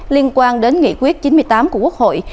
liên quan đến nghị quyết chín mươi tám của quốc hội